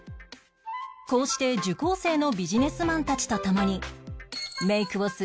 こうして受講生のビジネスマンたちと共にメイクをする事３０分